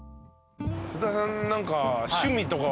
津田さん何か。